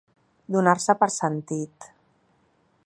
Donar-se per sentit.